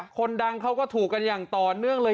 คนดังเขาก็ถูกกันอย่างต่อเนื่องเลย